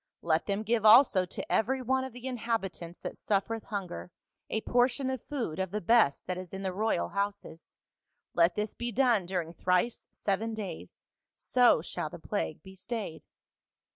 Let them give also to every one of the inhabitants that suffereth hunger a portion of food of the best that is in the royal houses ; let this be done during thrice seven days, so shall the plague be stayed.'